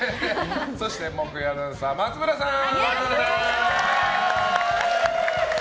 木曜アナウンサー、松村さん！